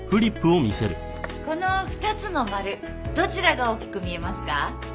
この２つの丸どちらが大きく見えますか？